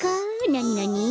なになに？